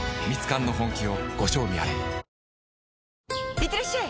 いってらっしゃい！